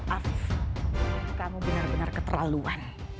maaf kamu benar benar keterlaluan